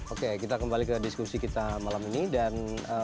oke kita kembali ke diskusi kita malam ini dan